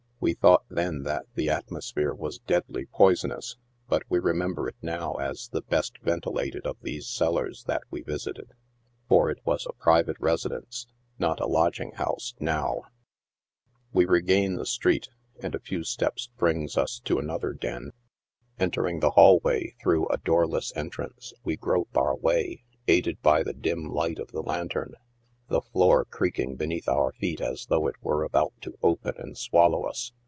We thought then that the atmo sphere was deadly poisonous, but we remember it now as the best ventilated of these cellars that we visited. For it was a private residence, not a lodging house, now ! We regain the street, and a few steps brings us to another den. 94 NIGHT SIDE OF NEW YORK. Entering the hall way through a doorless entrance, we grope our way. aided by the dim light of the lantern, the floor creaking be neath our feet as though it were about to open and swallow us.